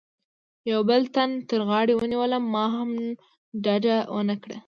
یوه بل تن تر غاړې ونیولم، ما هم ډډه و نه کړه.